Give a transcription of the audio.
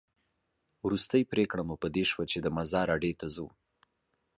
وروستۍ پرېکړه مو په دې شوه چې د مزار اډې ته ځو.